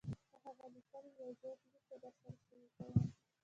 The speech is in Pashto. پۀ هغه ليکلے يو زوړ ليک درسره شريکووم -